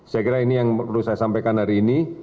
saya kira ini yang perlu saya sampaikan hari ini